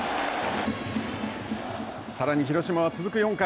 さらに、広島は続く４回。